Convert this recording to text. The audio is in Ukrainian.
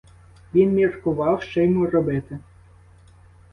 Він міркував, що йому робити.